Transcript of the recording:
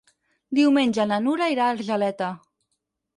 Diumenge na Nura irà a Argeleta.